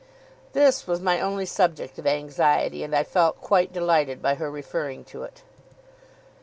This was my only subject of anxiety, and I felt quite delighted by her referring to it.